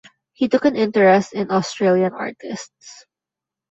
He took an interest in Australian artists.